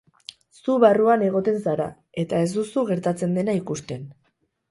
Zu barruan egoten zara eta ez duzu gertatzen dena ikusten.